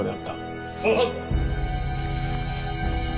はっ。